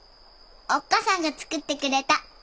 おっ母さんが作ってくれた。